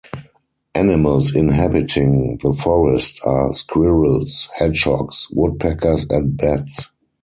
Animals inhabiting the forest are squirrels, hedgehogs, woodpeckers and bats.